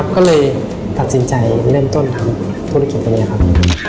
ก็เลยตัดสินใจเริ่มต้นทำธุรกิจตรงนี้ครับ